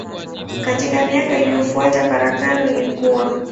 Katika miaka iliyofuata farakano ilikua.